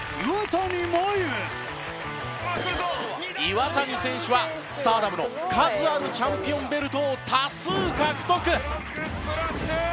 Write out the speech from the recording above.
岩谷選手はスターダムの数あるチャンピオンベルトを多数獲得。